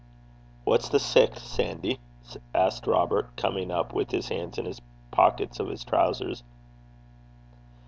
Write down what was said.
'What's the sicht, Sandy?' asked Robert, coming up with his hands in the pockets of his trowsers.